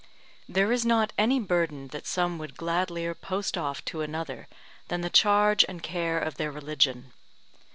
There is not any burden that some would gladlier post off to another than the charge and care of their religion.